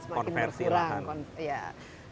semakin berkurang konversi lahan